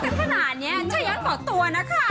ถ้าเกิดหัวเราะกันขนาดนี้ชะยังขอตัวนะคะ